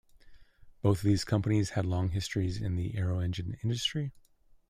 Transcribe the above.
Both of these companies had long histories in the aero-engine industry.